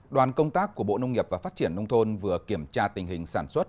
đoàn công tác của bộ nông nghiệp và phát triển nông thôn vừa kiểm tra tình hình sản xuất